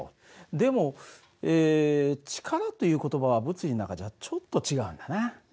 でも力という言葉は物理の中じゃちょっと違うんだな。